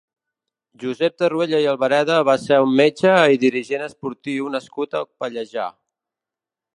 Josep Tarruella i Albareda va ser un metge i dirigent esportiu nascut a Pallejà.